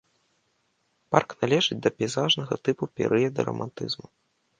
Парк належыць да пейзажнага тыпу перыяда рамантызму.